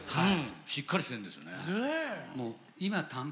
しっかりしてるんですよね。